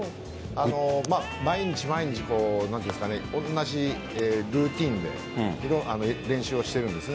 毎日同じルーティンで練習をしているんです。